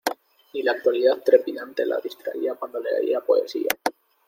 Ni la actualidad trepidante le distraía cuando leía poesía.